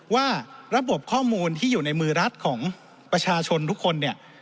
ว่าระบบข้อมูลที่อยู่ในมือรัฐของประชาชนทุกคนเนี่ย